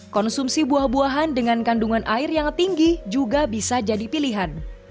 konsumsi buah buahan dengan kandungan air yang tinggi juga bisa jadi pilihan